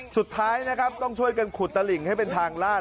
สุดท้ายนะครับต้องช่วยกันขุดตลิ่งให้เป็นทางลาด